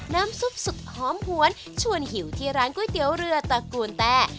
น้ำซุปสุดหอมหวนชวนหิวที่ร้านก๋วยเตี๋ยวเรือตระกูลแต้